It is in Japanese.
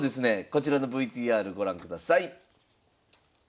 こちらのＶＴＲご覧ください。